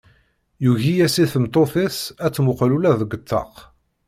Yugi-yas i tmeṭṭut-is ad tmuqel ula deg ṭṭaq.